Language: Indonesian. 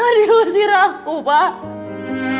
hari usir aku dia bilangnya gak mau ketemu sama aku lagi